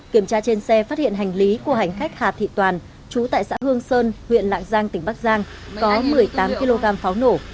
kiểm tra trên xe phát hiện hành lý của hành khách hà thị toàn chú tại xã hương sơn huyện lạng giang tỉnh bắc giang có một mươi tám kg pháo nổ